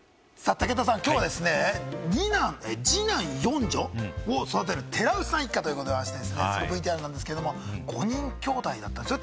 武田さん、きょうはですね、２男４女を育てる寺内さん一家ということでございまして、そのＶＴＲなんですけど、５人きょうだいなんですよね？